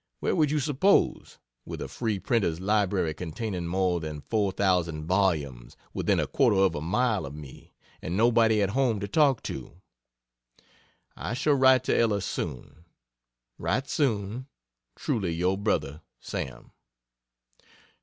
Where would you suppose, with a free printers' library containing more than 4,000 volumes within a quarter of a mile of me, and nobody at home to talk to? I shall write to Ella soon. Write soon Truly your Brother SAM.